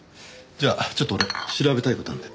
じゃあちょっと俺調べたい事あるんで。